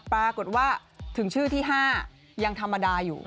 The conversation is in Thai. ปรากฏว่าถึงชื่อที่๕ยังธรรมดาอยู่